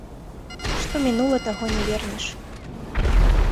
Што мінула, таго не вернеш.